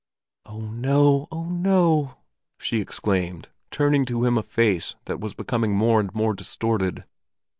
"Oh no! Oh no!" she exclaimed, turning to him a face that was becoming more and more distorted.